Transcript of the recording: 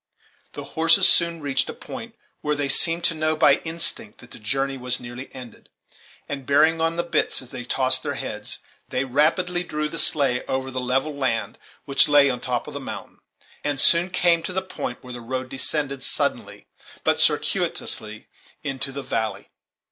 The horses soon reached a point where they seemed to know by instinct that the journey was nearly ended, and, bearing on the bits as they tossed their heads, they rapidly drew the sleigh over the level land which lay on the top of the mountain, and soon came to the point where the road descended suddenly, but circuitously, into the valley.